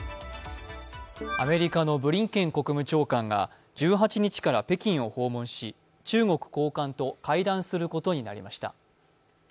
アメリカのブリンケン国務長官が１８日から北京を訪問し、中国高官と対談することになりました。